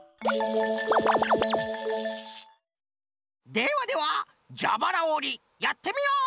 ではではじゃばらおりやってみよう！